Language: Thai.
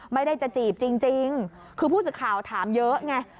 ไม่ได้จะจีบจริงคือผู้สื่อข่าวถามเยอะไง